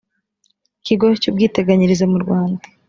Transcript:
kigo cy ubwiteganyirize mu rwanda